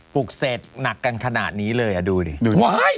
ปุกเศษหนักกันขนาดนี้เลยดูดิ